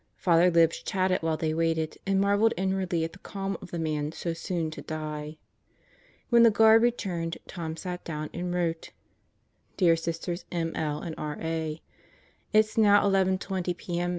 Father Libs chatted while they waited and marveled inwardly at the calm of the man so soon to die. When the guard returned Tom sat down and wrote: Dear Sisters M, L. and R. A. It's now 11:20 p.m.